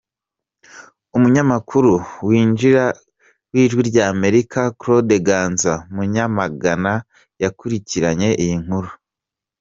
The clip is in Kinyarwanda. Umunyamakuru w’Ijwi ry’Amerika Claude Ganza Munyamagana yakurikirnaye iyi nkuru.